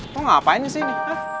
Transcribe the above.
lo ngapain disini